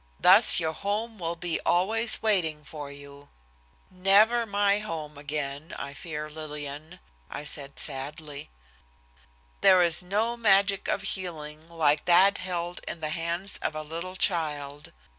Thus your home will be always waiting for you." "Never my home again, I fear, Lillian," I said sadly. There is no magic of healing like that held in the hands of a little child.